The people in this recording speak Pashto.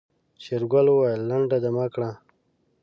شېرګل وويل لنډه دمه کړه.